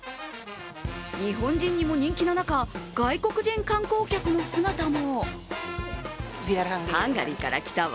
日本人にも人気な中外国人観光客の姿も。